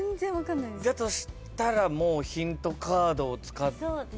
だとしたらもうヒントカードを使ってっていう。